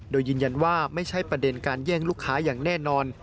โดยยืนยันว่าไม่ใช่ประเด็นการแย่งลูกค้าอย่างแน่นอน